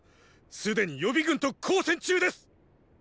すでに予備軍と交戦中です！